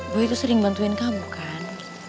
boy tuh sering bantuin kamu kan